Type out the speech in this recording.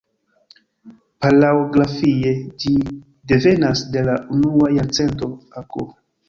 Palaoegrafie ĝi devenas de la unua jarcento a.K.